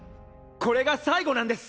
これが最後なんです！！